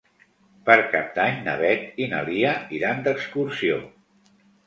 Per Cap d'Any na Beth i na Lia iran d'excursió.